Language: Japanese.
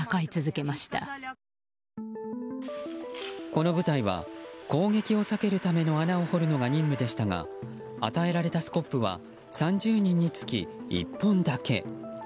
この部隊は攻撃を避けるための穴を掘るのが任務でしたが与えられたスコップは３０人につき１本だけ。